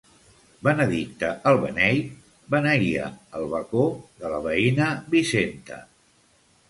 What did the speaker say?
Benedicte, el beneit, beneïa el bacó de la veïna Vicenta.